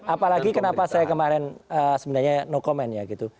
apalagi kenapa saya kemarin sebenarnya no command ya gitu